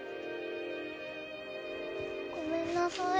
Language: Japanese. ごめんなさい。